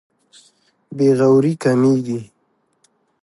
بې غوري کمېږي.